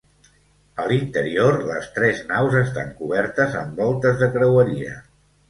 A l'interior, les tres naus estan cobertes amb voltes de creueria.